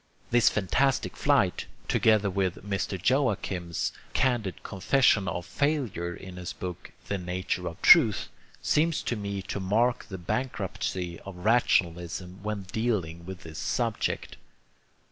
This fantastic flight, together with Mr. Joachim's candid confession of failure in his book The Nature of Truth, seems to me to mark the bankruptcy of rationalism when dealing with this subject.